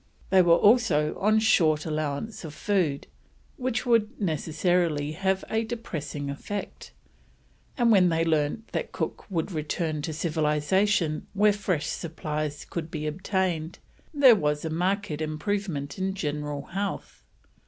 They were also on short allowance of food, which would necessarily have a depressing effect, and when they learnt that Cook would return to civilisation where fresh supplies could be obtained, there was a marked improvement in the general health.